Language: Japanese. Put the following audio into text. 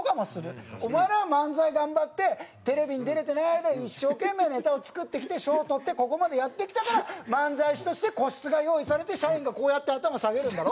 お前らは漫才頑張ってテレビに出れてない間一生懸命ネタを作ってきて賞をとってここまでやってきたから漫才師として個室が用意されて社員がこうやって頭下げるんだろ？